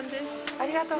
ありがとう。